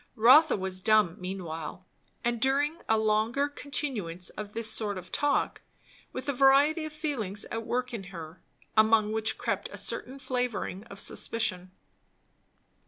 Rotha was dumb meanwhile, and during a longer continuance of this sort of talk; with a variety of feelings at work in her, among which crept a certain flavouring of suspicion.